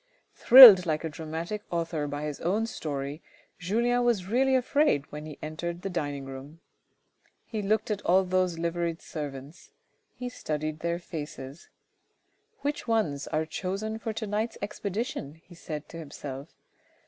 Thrilled like a dramatic author by his own story, Julien was really afraid when he entered the dining room. He looked at all those liveried servants — he studied their faces. "Which ones are chosen for to night's expedition?" he said to himself.